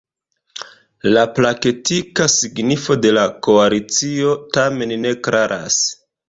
La praktika signifo de la koalicio tamen ne klaras.